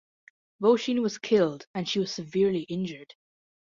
Voisin was killed, and she was severely injured.